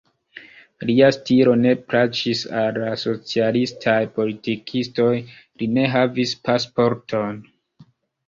Lia stilo ne plaĉis al la socialistaj politikistoj, li ne havis pasporton.